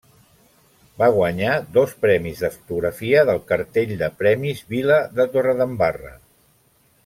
Va guanyar dos premis de fotografia del Cartell de Premis Vila de Torredembarra.